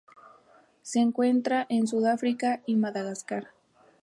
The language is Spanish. Se encuentra en Sudáfrica y Madagascar.